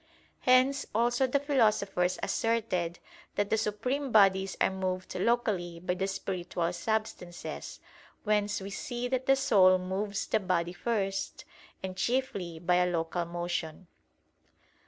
Hence also the philosophers asserted that the supreme bodies are moved locally by the spiritual substances; whence we see that the soul moves the body first and chiefly by a local motion.